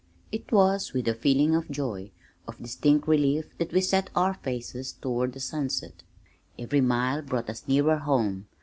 It was with a feeling of joy, of distinct relief that we set our faces toward the sunset. Every mile brought us nearer home.